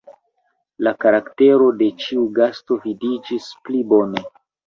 La karaktero de ĉiu gasto vidiĝis pli bone.